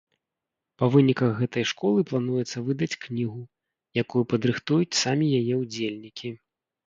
Па выніках гэтай школы плануецца выдаць кнігу, якую падрыхтуюць самі яе ўдзельнікі.